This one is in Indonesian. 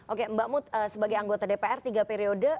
oke mbak mut sebagai anggota dpr tiga periode